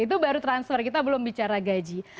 itu baru transfer kita belum bicara gaji